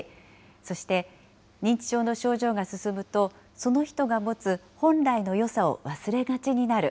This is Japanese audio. そして認知症の症状が進むと、その人が持つ、本来のよさを忘れがちになる。